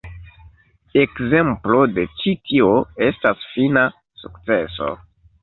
Ekzemplo de ĉi tio estas "Fina Sukceso".